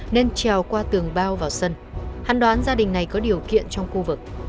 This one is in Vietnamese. nên trèo qua tường bao vào sân hăn đoán gia đình này có điều kiện trong khu vực